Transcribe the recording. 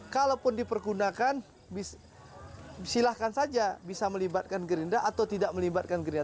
kalaupun dipergunakan silahkan saja bisa melibatkan gerindra atau tidak melibatkan gerindra